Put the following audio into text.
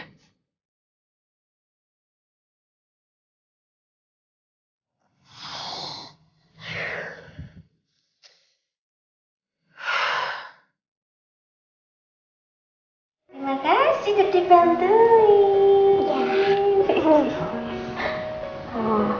terima kasih udah dibantuin